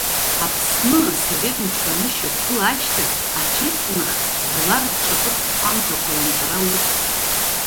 Аԥсны Асовет мчра анышьақәгыла ашьҭахь аҽеиҵнахт жәлар рҿаԥыцтә ҳәамҭақәа ранҵара аус.